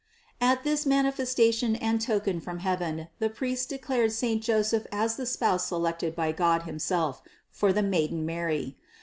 At this manifestation and token from heaven the priests de clared saint Joseph as the spouse selected by God him self for the maiden Mary.